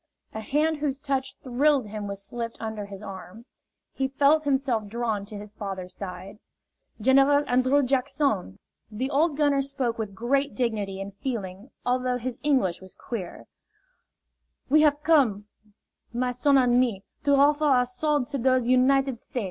A hand whose touch thrilled him was slipped under his arm. He felt himself drawn to his father's side. "General An drrew Jack son," the old gunner jpoke with great dignity and feeling although his English was queer, "we haf come, my son an' me, to hoffer ou' swo'de to dose United State'.